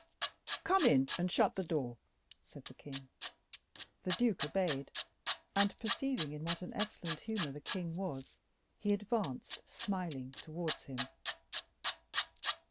"Come in, and shut the door," said the king. The duke obeyed; and, perceiving in what an excellent humor the king was, he advanced, smiling, towards him.